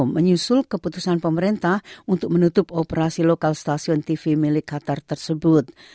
menyusul keputusan pemerintah untuk menutup operasi lokal stasiun tv milik qatar tersebut